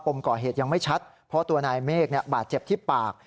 มก่อเหตุยังไม่ชัดเพราะตัวนายเมฆบาดเจ็บที่ปาก